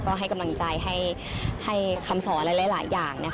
ก็ให้กำลังใจให้คำสอนหลายอย่าง